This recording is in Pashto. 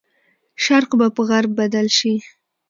شرق به په غرب بدل شي.